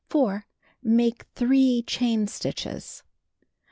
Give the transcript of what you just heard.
Make 3 chain stitches.